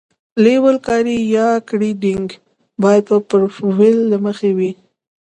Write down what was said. لیول کاري یا ګریډینګ باید د پروفیل له مخې وي